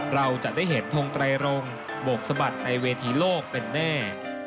เราจะได้เห็นทงไตรรงโบกสะบัดในเวทีโลกเป็นแน่